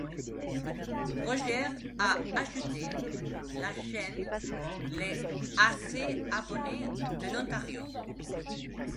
Rogers a ajouté la chaîne le à ses abonnés de l'Ontario.